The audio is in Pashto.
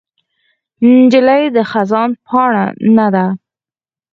نجلۍ د خزان پاڼه نه ده.